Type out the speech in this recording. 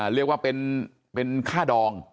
เรียกว่าเป็นค่าดอง